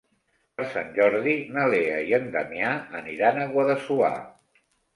Per Sant Jordi na Lea i en Damià aniran a Guadassuar.